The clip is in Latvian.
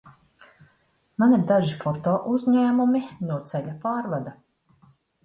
Man ir daži fotouzņēmumi no ceļa pārvada.